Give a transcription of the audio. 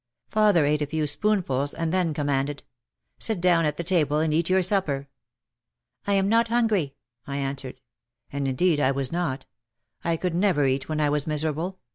Father ate a few spoonfuls and then commanded: "Sit down at the table and eat your supper." "I am not hungry," I answered. And indeed I was not. I could never eat when I was miserable.